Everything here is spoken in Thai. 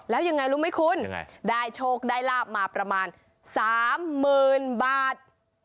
แล้วยังไงรู้ไหมคุณได้โชคได้ลาบมาประมาณ๓๐๐๐บาท